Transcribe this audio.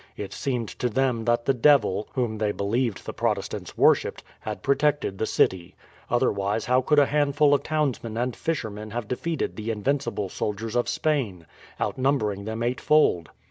It seemed to them that the devil, whom they believed the Protestants worshipped, had protected the city, otherwise how could a handful of townsmen and fishermen have defeated the invincible soldiers of Spain, outnumbering them eight fold.